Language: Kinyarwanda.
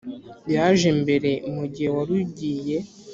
yaje mbere mu gihe warugiye